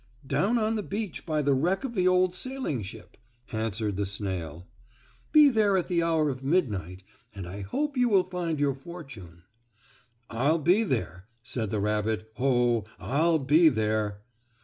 "Down on the beach by the wreck of the old sailing ship," answered the snail. "Be there at the hour of midnight, and I hope you will find your fortune." "I'll be there," said the rabbit. "Oh, I'll be there."